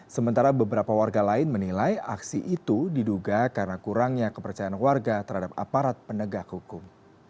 sementara beberapa warga lain menilai aksi itu diduga karena kurangnya kepercayaan warga terhadap aparat penegak hukum